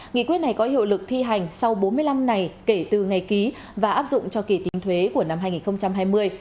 nghị quyết này có hiệu lực thi hành sau bốn mươi năm ngày kể từ ngày ký và áp dụng cho kỳ tín thuế của năm hai nghìn hai mươi